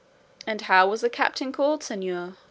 "And how was the captain called, señor?"